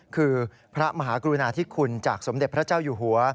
คือพระมหากรุณาธิคุณจากสมเด็จพระเจ้าอยู่หัว